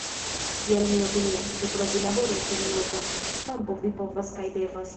Tial mi opinias, ke provi laboron sur nova kampo vi povas kaj devas.